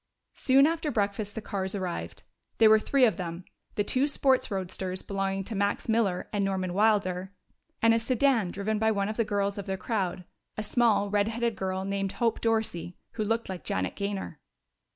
Soon after breakfast the cars arrived. There were three of them the two sports roadsters belonging to Max Miller and Norman Wilder, and a sedan driven by one of the girls of their crowd, a small, red haired girl named Hope Dorsey, who looked like Janet Gaynor.